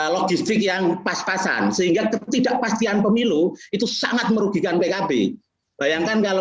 logistik yang pas pasan sehingga ketidakpastian pemilu itu sangat merugikan pkb bayangkan kalau